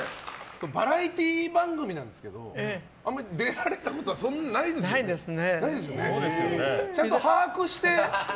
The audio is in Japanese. バラエティー番組なんですけどあんまり出られたことはないですよね。